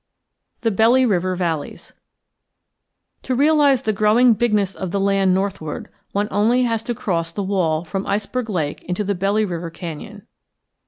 THE BELLY RIVER VALLEYS To realize the growing bigness of the land northward one has only to cross the wall from Iceberg Lake into the Belly River canyon.